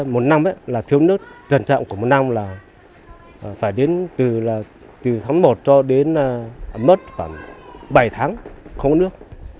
một năm là thiếu nước trần trọng của một năm là phải đến từ tháng một cho đến mất khoảng bảy tháng không có nước